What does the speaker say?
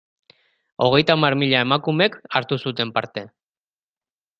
Hogeita hamar mila emakumek hartu zuten parte.